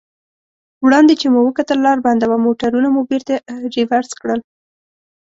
وړاندې چې مو وکتل لار بنده وه، موټرونه مو بېرته رېورس کړل.